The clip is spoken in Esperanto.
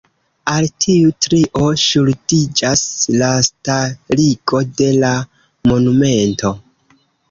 Al tiu trio ŝuldiĝas la starigo de la monumento.